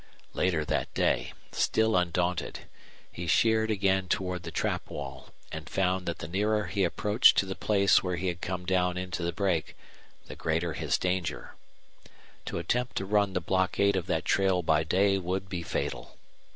Later that day, still undaunted, he sheered again toward the trap wall, and found that the nearer he approached to the place where he had come down into the brake the greater his danger. To attempt to run the blockade of that trail by day would be fatal.